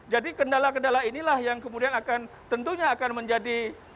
jadi kendala kendala inilah yang kemudian akan tentunya akan menjadi